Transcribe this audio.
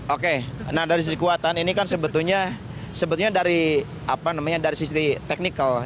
oke nah dari sisi kekuatan ini kan sebetulnya sebetulnya dari apa namanya dari sisi teknikal